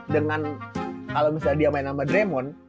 dengan kalau misalnya dia main nama dremon